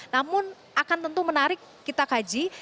namun akan tentu menarik kita kaji